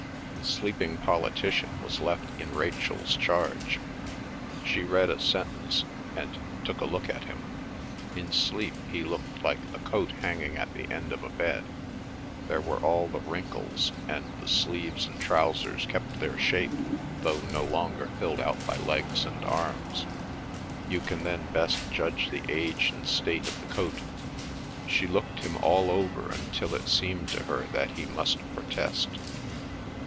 The sleeping politician was left in Rachel's charge. She read a sentence, and took a look at him. In sleep he looked like a coat hanging at the end of a bed; there were all the wrinkles, and the sleeves and trousers kept their shape though no longer filled out by legs and arms. You can then best judge the age and state of the coat. She looked him all over until it seemed to her that he must protest.